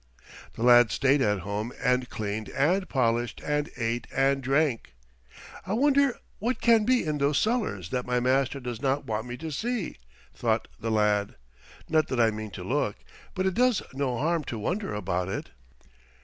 The lad stayed at home and cleaned and polished and ate and drank. "I wonder what can be in those cellars that my master does not want me to see!" thought the lad. "Not that I mean to look, but it does no harm to wonder about it."